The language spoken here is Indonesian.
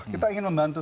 kita ingin membantu